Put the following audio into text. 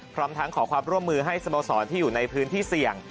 พร้อมทั้งขอความร่วมมือให้สโมสรที่อยู่ในพื้นที่เสี่ยง